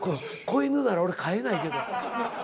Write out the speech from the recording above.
子犬なら俺飼えないけど。